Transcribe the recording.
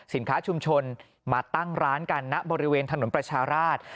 ชุมชนมาตั้งร้านกันณบริเวณถนนประชาราช